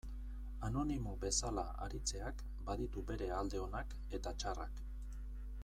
Anonimo bezala aritzeak baditu bere alde onak eta txarrak.